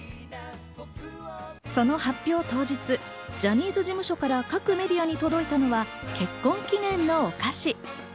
その発表当日、ジャニーズ事務所から各メディアに届いたのは結婚記念のお菓子。